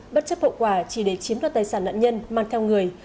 bất chấp hậu quả chỉ để chiếm đoạt tài sản nạn nhân mang theo người